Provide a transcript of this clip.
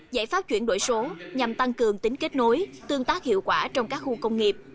giải pháp chuyển đổi số nhằm tăng cường tính kết nối tương tác hiệu quả trong các khu công nghiệp